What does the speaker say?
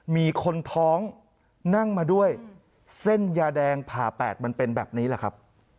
มีคนท้องนั่งมาด้วยเส้นยาแดงผ่าแปดมันเป็นแบบนี้แหละครับ